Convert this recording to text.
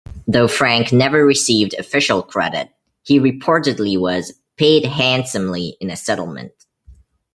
Though Frank never received official credit, he reportedly was "paid handsomely" in a settlement.